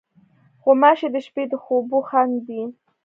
غوماشې د شپې د خوبو خنډ دي.